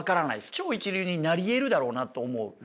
超一流になりえるだろうなと思う。